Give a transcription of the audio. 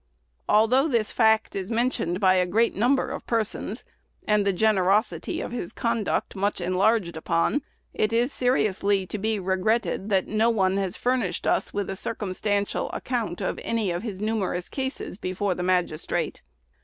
Although this fact is mentioned by a great number of persons, and the generosity of his conduct much enlarged upon, it is seriously to be regretted that no one has furnished us with a circumstantial account of any of his numerous cases before the magistrate.